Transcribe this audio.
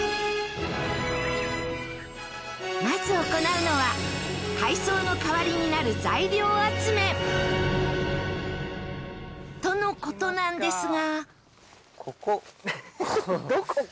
まず行うのは、海藻の代わりになる材料集めとのことなんですが。